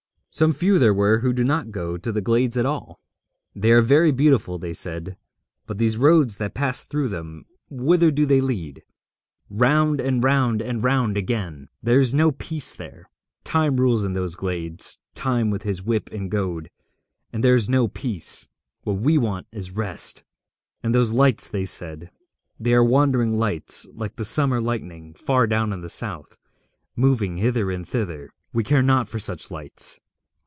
Some few there were who did not go to the glades at all. 'They are very beautiful,' they said, 'but these roads that pass through them, whither do they lead? Round and round and round again. There is no peace there. Time rules in those glades, Time with his whip and goad, and there is no peace. What we want is rest. And those lights,' they said, 'they are wandering lights, like the summer lightning far down in the South, moving hither and thither. We care not for such lights.